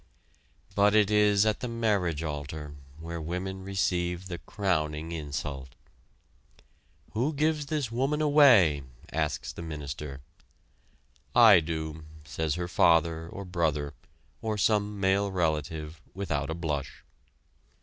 But it is at the marriage altar, where women receive the crowning insult. "Who gives this woman away?" asks the minister. "I do," says her father or brother, or some male relative, without a blush.